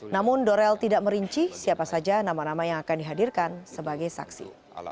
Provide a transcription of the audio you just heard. namun dorel tidak merinci siapa saja nama nama yang akan dihadirkan sebagai saksi